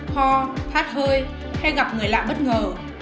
ho phát hơi hay gặp người lạ bất ngờ